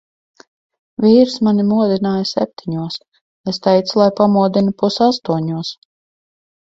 Vīrs mani modināja septiņos, es teicu, lai pamodina pus astoņos.